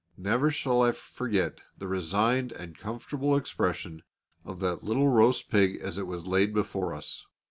Never shall I forget the resigned and comfortable expression of that little roast pig as it was laid before us.